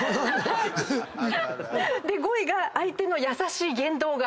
５位が相手の優しい言動があった。